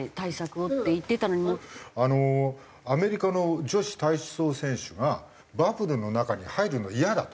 アメリカの女子体操選手がバブルの中に入るのイヤだと。